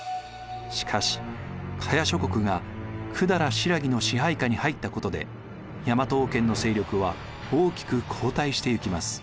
しかし伽耶諸国が百済新羅の支配下に入ったことで大和王権の勢力は大きく後退していきます。